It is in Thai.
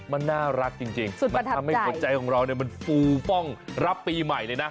มันน่ารักจริงมันทำให้หัวใจของเรามันฟูฟ่องรับปีใหม่เลยนะ